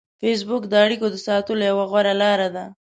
فېسبوک د اړیکو د ساتلو یوه غوره لار ده